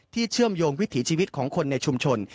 เชื่อมโยงวิถีชีวิตของคนในชุมชน